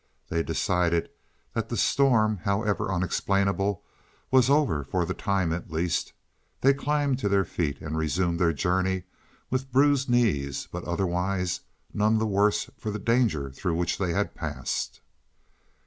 Then, deciding that the storm, however unexplainable, was over for the time at least, they climbed to their feet and resumed their journey with bruised knees, but otherwise none the worse for the danger through which they had passed.